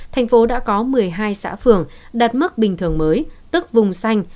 thành phố đã có một mươi hai xã phường đạt mức bình thường mới tức vùng xanh